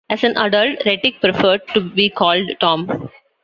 As an adult, Rettig preferred to be called Tom.